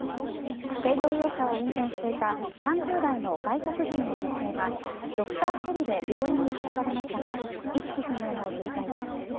軽乗用車を運転していた３０代の外国人の女性がドクターヘリで病院に運ばれましたが意識不明の重体です。